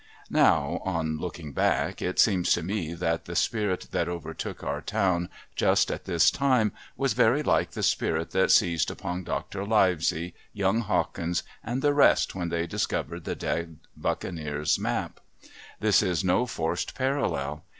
Now, on looking back, it seems to me that the spirit that overtook our town just at this time was very like the spirit that seized upon Dr. Livesey, young Hawkins and the rest when they discovered the dead Buccaneer's map. This is no forced parallel.